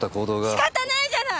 仕方ないじゃない！！